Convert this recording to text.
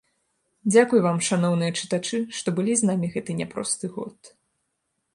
Дзякуй вам, шаноўныя чытачы, што былі з намі гэты няпросты год!